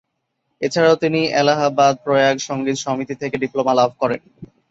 এছাড়া তিনি এলাহাবাদের প্রয়াগ সঙ্গীত সমিতি থেকে ডিপ্লোমা লাভ করেন।